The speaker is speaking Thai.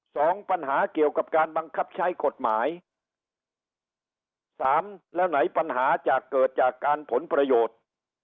สองปัญหาเกี่ยวกับการบังคับใช้กฎหมายสามแล้วไหนปัญหาจะเกิดจากการผลประโยชน์